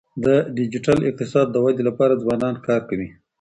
د ډیجیټل اقتصاد د ودی لپاره ځوانان کار کوي.